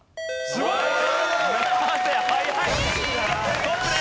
すごいね！